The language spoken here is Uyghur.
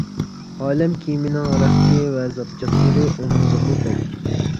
ئالەم كىيىمىنىڭ رەختى ۋە زاپچاسلىرى ئۇنىڭدىمۇ بەك.